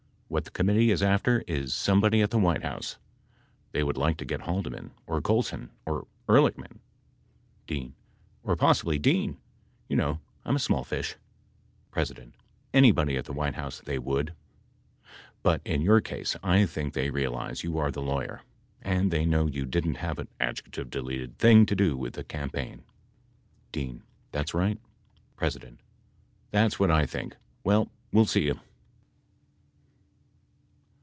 What the Committee is after is somebody at the White House. They would like to get Haldeman or Colson or Ehrlichman. D. Or possibly Dean. — You know. I am a small fish. P. Anybody at the White House they would — but in your case I think they realize you are the lawyer and they know you didn't have a [ adjective deleted ] thing to do with the campaign. D. That's right. P. That's what I think. Well, we'll see you.